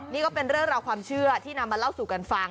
นี่ก็เป็นเรื่องราวความเชื่อที่นำมาเล่าสู่กันฟัง